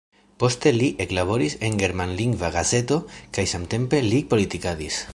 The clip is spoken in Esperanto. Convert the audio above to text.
Poste li eklaboris en germanlingva gazeto kaj samtempe li politikadis.